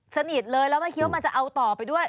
สนิทเลยแล้วไม่คิดว่ามันจะเอาต่อไปด้วย